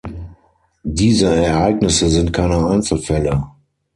Diese Ereignisse sind keine Einzelfälle.